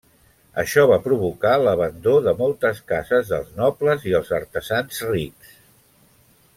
Això va provocar l'abandó de moltes cases dels nobles i els artesans rics.